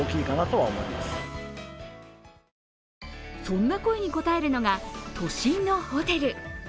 そんな声に応えるのが都心のホテル。